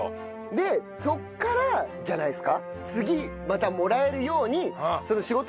でそこからじゃないですか？